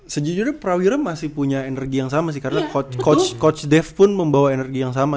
sejujurnya prawira masih punya energi yang sama sih karena coach coach dev pun membawa energi yang sama